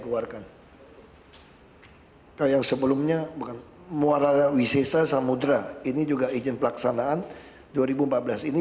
keluarkan yang sebelumnya bukan muara wisesa samudera ini juga izin pelaksanaan dua ribu empat belas ini